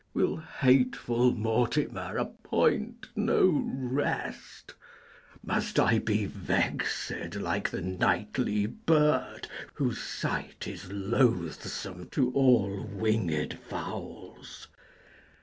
Will hateful Mortimer appoint no rest? Must I be vexed like the nightly bird, Whose sight is loathsome to all winged fowls?